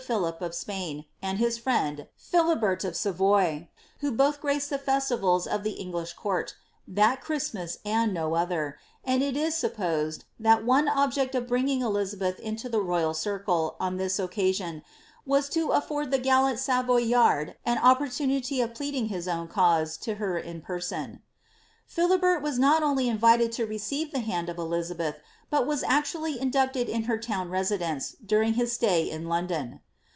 g5 Philip of Spain, and his frieod Pliilibert of Savoy, who both graced the (ntivals of the English court, that Christmas and no other, and it is sup poKd, that one object of bringing Elizabeth into the royal circle, on th'B occasion, was to afford the gallant Savoyard an opportunity of pbding his own cause to her in person. Philiben was not only invited to receive the hand of Elizabeth, but VM actually inducted in her town residence, during his stay in London.